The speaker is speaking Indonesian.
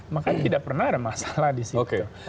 maka tidak pernah ada masalah disitu